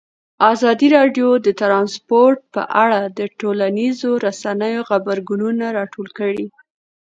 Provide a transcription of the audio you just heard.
ازادي راډیو د ترانسپورټ په اړه د ټولنیزو رسنیو غبرګونونه راټول کړي.